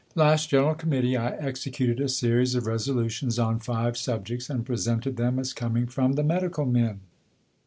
Last General Committee I executed a series of Resolutions on five subjects, and presented them as coming from the Medical Men: 1.